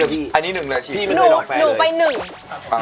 ที่๑และอันนี้ไม่ลองแฟนเลยหนูคนไป๑